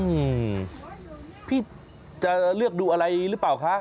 อืมพี่จะเลือกดูอะไรหรือเปล่าคะ